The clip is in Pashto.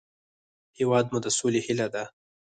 هېواد مو د سولې هیله ده